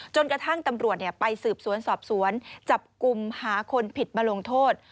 จนกระทั่งตำรวจไปสืบสวนสอบสวนจับกลุ่มหาคนผิดมาลงโทษ